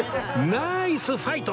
ナイスファイト！